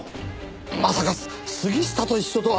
まさか杉下と一緒とは。